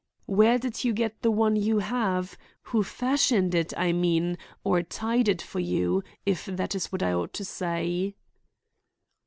"Where did you get the one you have? Who fashioned it, I mean, or tied it for you, if that is what I ought to say?"